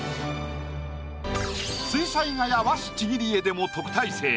水彩画や和紙ちぎり絵でも特待生。